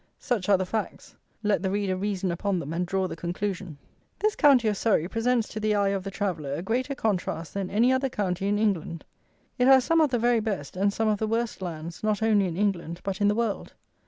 Such are the facts: let the reader reason upon them and draw the conclusion. This county of Surrey presents to the eye of the traveller a greater contrast than any other county in England. It has some of the very best and some of the worst lands, not only in England, but in the world.